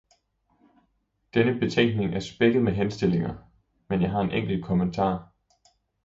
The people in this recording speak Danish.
Denne betænkning er spækket med henstillinger, men jeg har en enkelt kommentar.